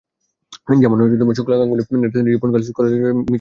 যেমন শুক্লা গাঙ্গুলির নেতৃত্বে রিপন গার্লস স্কুলের ছাত্রীরা পূর্বোক্ত মিছিলে অংশ নেয়।